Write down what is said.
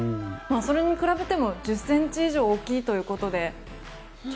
それに比べても１０ｃｍ以上大きいということで。